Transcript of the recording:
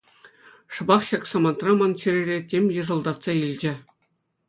Шӑпах ҫак самантра ман чӗрере тем йӑшӑлтатса илчӗ.